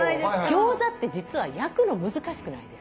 餃子って実は焼くの難しくないですか？